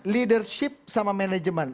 leadership sama management